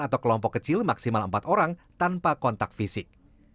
atau kelompok kecil maksimal empat orang tanpa kontak fisik